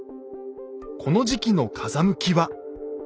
この時期の風向きは。